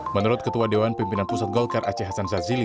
menurut ketua dewan pimpinan pusat golkar aceh hasan zazili